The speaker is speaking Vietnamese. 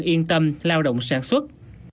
yên tâm lao động sản xuất